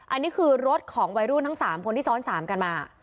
อันนี้คือรถของวัยรุ่นทั้ง๓คนที่ซ้อน๓กันมา